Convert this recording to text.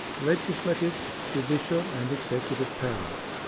Legislative, judicial, and executive poiver.